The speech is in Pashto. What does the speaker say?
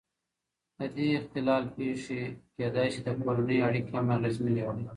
د دې اختلال پېښې کېدای شي د کورنۍ اړیکې هم اغېزمنې کړي.